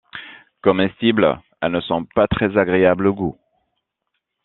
Comestibles, elles ne sont pas très agréables au goût.